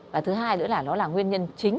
và thứ hai nữa là nó là nguyên nhân chính